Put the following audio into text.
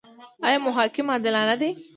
آیا محاکم عادلانه دي؟